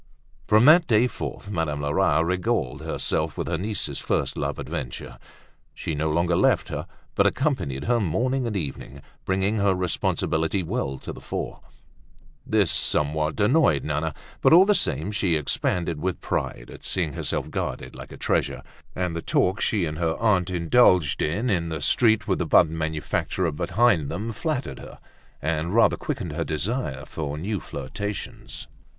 From that day forth Madame Lerat regaled herself with her niece's first love adventure. She no longer left her, but accompanied her morning and evening, bringing her responsibility well to the fore. This somewhat annoyed Nana, but all the same she expanded with pride at seeing herself guarded like a treasure; and the talk she and her aunt indulged in in the street with the button manufacturer behind them flattered her, and rather quickened her desire for new flirtations.